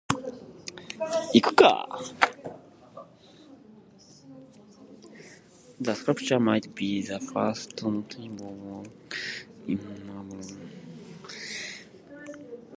The sculpture might be the first notable work in marble by Duquesnoy.